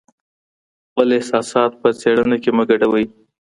خپل احساسات په څېړنه کي مه ګډوئ.